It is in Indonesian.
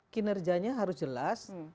kinerjanya harus jelas